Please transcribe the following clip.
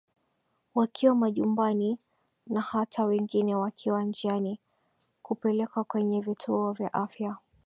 wakiwa majumbani na hata wengine wakiwa njiani kupelekwa kwenye vituo vya afya